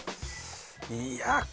いや。